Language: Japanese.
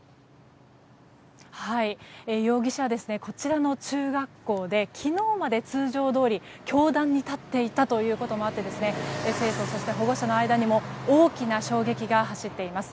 容疑者はこちらの中学校で昨日まで通常どおり、教壇に立っていたということもあって生徒、そして保護者の間にも大きな衝撃が走っています。